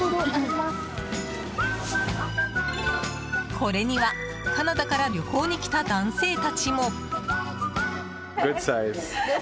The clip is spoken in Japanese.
これには、カナダから旅行に来た男性たちも。